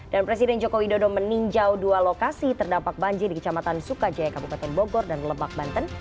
dan presiden joko widodo meninjau dua lokasi terdampak banjir di kecamatan sukajaya kabupaten bogor dan lebak banten